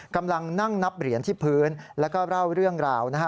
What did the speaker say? กำลังนั่งนับเหรียญที่พื้นแล้วก็เล่าเรื่องราวนะฮะ